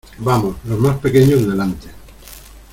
Vamos, los más pequeños delante.